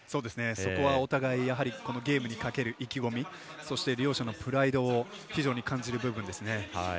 そこはお互いこのゲームにかける意気込み両者のプライドを非常に感じる部分ですね。